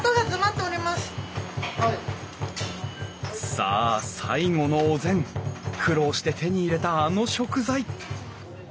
さあ最後のお膳苦労して手に入れたあの食材。